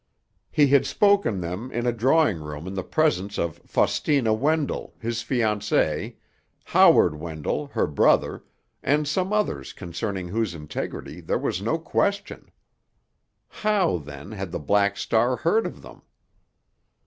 He had spoken them in a drawing room in the presence of Faustina Wendell, his fiancée; Howard Wendell, her brother, and some others concerning whose integrity there was no question. How, then, had the Black Star heard of them?